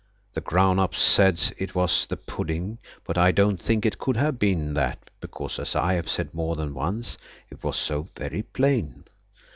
The grown ups said it was the pudding, but I don't think it could have been that, because, as I have said more than once, it was so very plain.